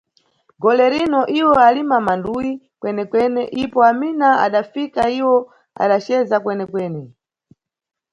Golerino, iwo alima manduyi kwenekwene, ipo Amina adafika, iwo adaceza kwenekwene.